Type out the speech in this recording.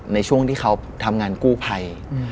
ในช่วงที่เขาทำงานกู้ภัย